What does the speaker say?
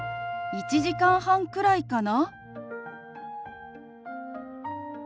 「１時間半くらいかな」。